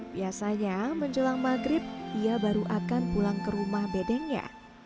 biasanya menjelang maghrib ia baru akan pulang ke rumah bedengnya